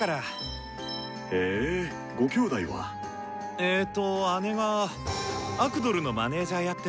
えと姉がアクドルのマネージャーやってて。